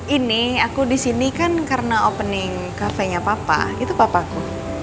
ini aku disini kan karena opening cafe nya papa itu papa aku